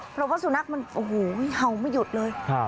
เพราะว่าสุนัขมันเฮาไม่หยดเลย